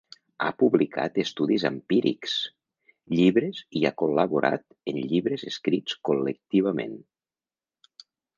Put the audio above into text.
Ha publicat estudis empírics, llibres i ha col·laborat en llibres escrits col·lectivament.